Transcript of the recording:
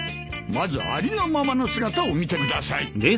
まずありのままの姿を見てください。